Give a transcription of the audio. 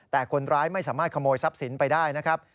แต่คนร้ายไม่สามารถขโมยทรัพย์สินไปได้นะครับ